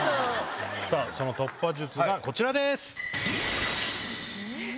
さぁ突破術がこちらです。